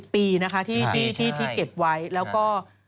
ปีนะคะที่เก็บไว้แล้วก็